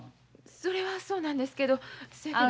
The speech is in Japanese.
それはそうなんですけどそやけど。